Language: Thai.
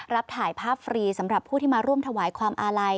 ถ่ายภาพฟรีสำหรับผู้ที่มาร่วมถวายความอาลัย